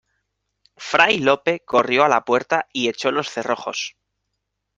fray Lope corrió a la puerta y echó los cerrojos.